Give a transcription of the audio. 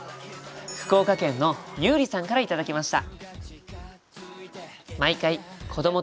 福岡県のユーリさんから頂きました。